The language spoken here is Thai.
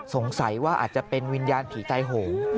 สงสัยว่าอาจจะเป็นวิญญาณผีตายโหง